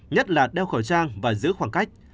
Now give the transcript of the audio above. nhất là đeo khẩu trang và giữ khoảng cách